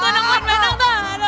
tuh anak bu endang